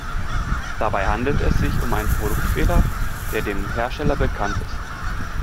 Dabei handelt es sich um einen Produktfehler, der dem Hersteller bekannt ist.